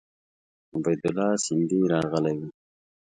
عبیدالله سیندهی راغلی وو.